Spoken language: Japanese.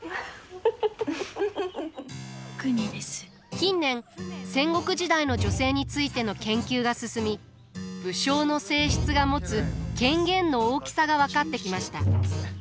近年戦国時代の女性についての研究が進み武将の正室が持つ権限の大きさが分かってきました。